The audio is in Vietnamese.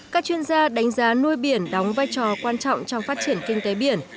các chuyên gia đánh giá nuôi biển đóng vai trò quan trọng trong phát triển kinh tế biển